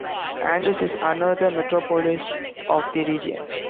Angers is another metropolis of the region.